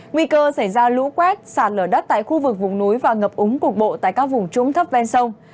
nguy cơ xảy ra lũ quét sạt lở đất tại khu vực vùng núi và ngập úng cục bộ tại các vùng trũng thấp ven sông